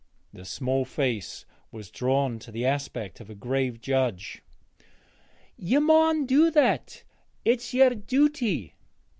The small face was drawn to the aspect of a grave judge 'ye maun do that; it's yer juty.'